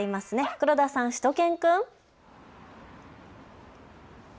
黒田さん、しゅと犬くん。